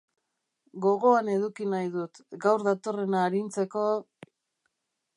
Gogoan eduki nahi dut, gaur datorrena arintzeko...